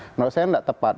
menurut saya tidak tepat